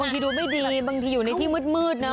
บางทีดูไม่ดีบางที่อยู่ในที่มืดเนอะ